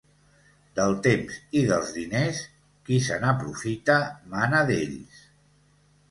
Del temps i dels diners, qui se n'aprofita mana d'ells.